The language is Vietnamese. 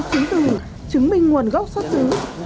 chứng từ chứng minh nguồn gốc xuất xứ